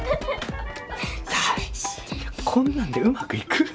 こんなんでうまくいく？